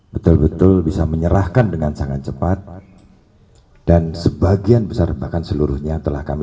betul betul bisa menyerahkan dengan sangat cepat dan sebagian besar bahkan seluruhnya telah kami